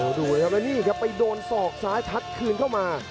ดูเลยครับแล้วนี่ครับไปโดนศอกซ้ายทัดคืนเข้ามา